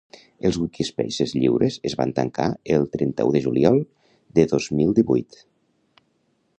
Els Wikispaces lliures es van tancar el trenta-u de juliol de dos mil divuit